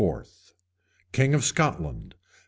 KINGS OF SCOTLAND.